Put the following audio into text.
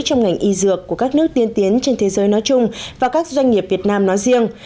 trong ngành y dược của các nước tiên tiến trên thế giới nói chung và các doanh nghiệp việt nam nói riêng